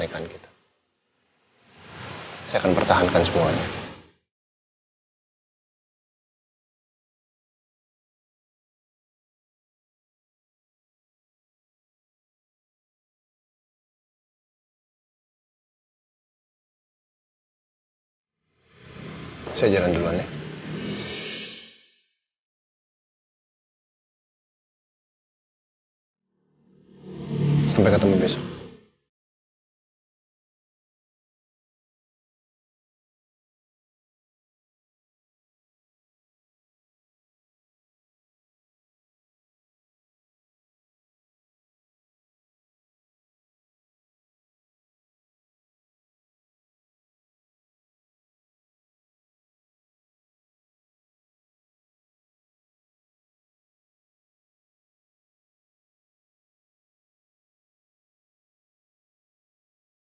nanti aku masuk kalian berdua langsungior zach saran responsabil background still got theacco